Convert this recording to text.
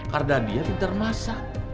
karena dia yang termasak